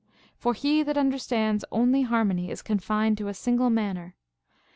For he that understands only harmony is confined to a single manner.